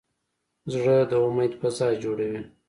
زړه د امید فضا جوړوي.